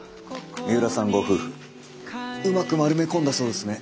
三浦さんご夫婦うまく丸め込んだそうですね。